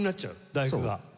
『第九』が。